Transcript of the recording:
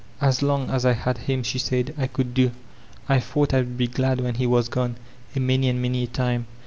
— "As long as I had him," she said, ''I could do. I thought I'd be glad when he was gone, a many and many a time.